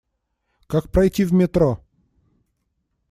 Как пройти в метро?